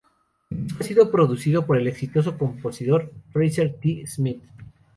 El disco ha sido producido por el exitoso compositor Fraser T. Smith.